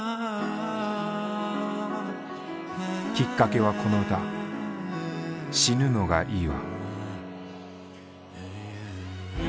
きっかけはこの歌「死ぬのがいいわ」。